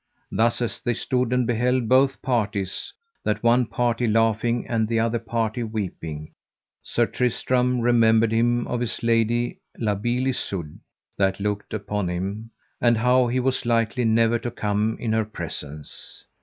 Thus as they stood and beheld both parties, that one party laughing and the other party weeping, Sir Tristram remembered him of his lady, La Beale Isoud, that looked upon him, and how he was likely never to come in her presence.